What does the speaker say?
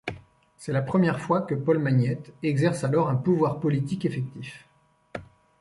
C'est la première fois que Paul Magnette exerce alors un pouvoir politique effectif.